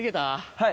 はい。